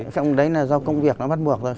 xong đấy là do công việc nó bắt buộc thôi